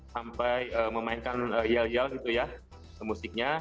sampai memainkan yel yel musiknya